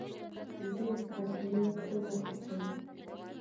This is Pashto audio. وزې د چاپېریال سوله خوښوي